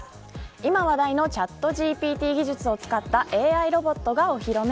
今話題のチャットＧＰＴ技術を使ったＡＩロボットがお披露目。